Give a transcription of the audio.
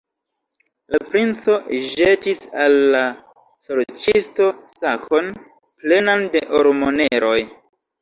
La princo ĵetis al la sorĉisto sakon, plenan de ormoneroj.